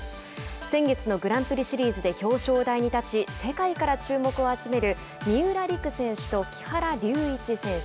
先月のグランプリシリーズで表彰台に立ち世界から注目を集める三浦璃来選手と木原龍一選手。